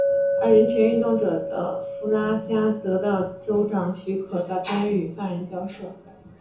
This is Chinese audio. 而人权运动者的弗拉加得到州长许可到监狱与犯人交涉。